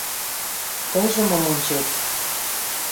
— Тыйже мом ончет?